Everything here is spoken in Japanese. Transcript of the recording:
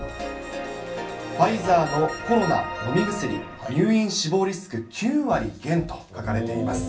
ファイザーのコロナ飲み薬、入院・死亡リスク９割減と書かれています。